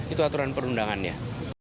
itu aturan perundangannya